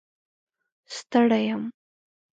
ستړی یم